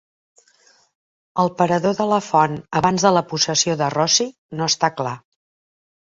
El parador de la font abans de la possessió de Rossi no està clar.